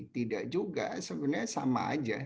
tidak juga sebenarnya sama aja